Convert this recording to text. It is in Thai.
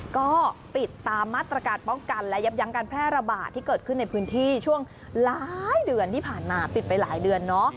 ก็ปิดตามมาตรการป้องกันและยับยั้งการแพร่ระบาดที่เกิดขึ้นในพื้นที่ช่วงหลายเดือนที่ผ่านมาปิดไปหลายเดือนเนาะ